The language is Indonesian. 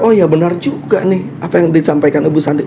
oh ya benar juga nih apa yang disampaikan ibu santi